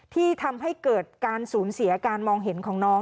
ที่ทำให้เกิดการสูญเสียการมองเห็นของน้อง